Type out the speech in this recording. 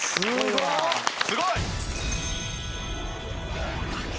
すごいわ。